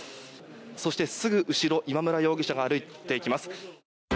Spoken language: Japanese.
そしてすぐ後ろ今村容疑者が歩いていきます。